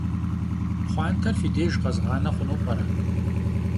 Pxhuanter fi dêjj khezğane xhunu p'ere?